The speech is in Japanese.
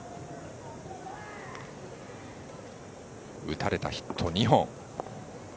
打たれたヒットは２本。